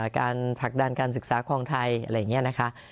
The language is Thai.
การผลักดันการศึกษาของไทยอะไรอย่างนี้นะคะ